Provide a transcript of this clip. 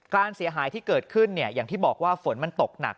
เสียหายที่เกิดขึ้นอย่างที่บอกว่าฝนมันตกหนัก